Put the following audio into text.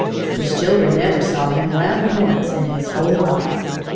His children never saw him laugh once in his whole life!